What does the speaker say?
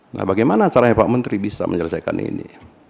nah bagaimana caranya pak menteri bisa menyelesaikan ini